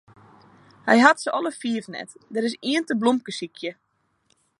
Hy hat se alle fiif net, der is ien te blomkesykjen.